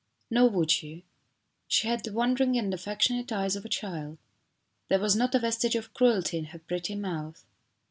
Nor would you. She had the wondering and affectionate eyes of a child. There was not a vestige of cruelty in her pretty mouth.